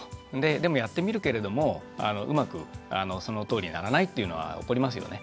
でもやってみるけれどもうまくそのとおりにはならないっていうのは起こりますよね。